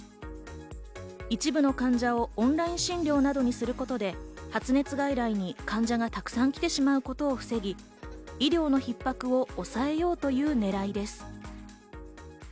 一部の患者をオンライン診療などにすることで、発熱外来に患者がたくさん来てしまうことを防ぎ、医療のひっ迫を抑えようという狙いです。